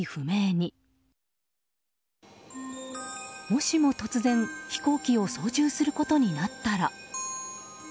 もしも突然、飛行機を操縦することになったら。